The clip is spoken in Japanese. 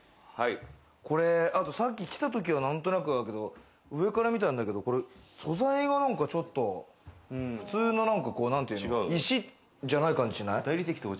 さっき来たときは何となくだけど、上から見たんだけど、素材が何かちょっと普通の石じゃない感じしない？